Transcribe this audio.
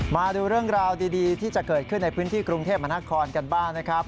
มาดูเรื่องราวดีที่จะเกิดขึ้นในพื้นที่กรุงเทพมหานครกันบ้างนะครับ